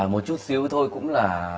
một chút xíu thôi cũng là